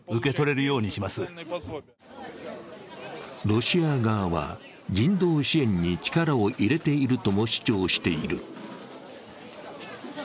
ロシア側は人道支援に力を入れているとも主張している。